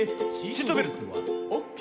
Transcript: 「シートベルトはＯＫ？」